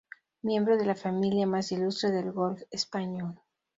Miembro de la familia más ilustre del golf español.